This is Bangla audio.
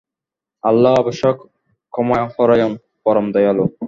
আল্লাহ অবশ্যই ক্ষমাপরায়ণ, পরম দয়ালু।